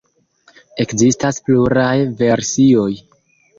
Ekzistas pluraj versioj.